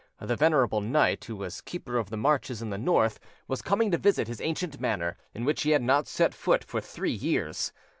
The venerable knight, who was Keeper of the Marches in the north, was coming to visit his ancient manor, in which he had not set foot for three years.